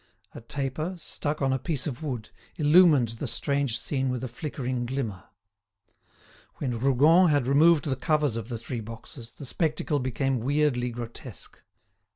A taper, stuck on a piece of wood, illumined the strange scene with a flickering glimmer. When Rougon had removed the covers of the three boxes, the spectacle became weirdly grotesque.